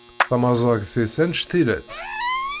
Tamaẓagt-is anect-ilatt.